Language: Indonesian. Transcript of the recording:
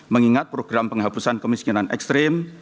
mengingat program penghapusan kemiskinan ekstrim